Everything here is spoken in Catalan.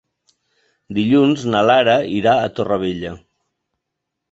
Dilluns na Lara irà a Torrevella.